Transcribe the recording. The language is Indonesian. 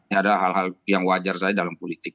karena ini adalah hal hal yang wajar saja dalam politik